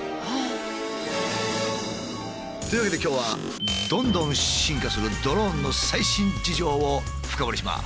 というわけで今日はどんどん進化するドローンの最新事情を深掘りします。